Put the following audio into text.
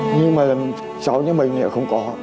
nhưng mà cháu như mình thì không có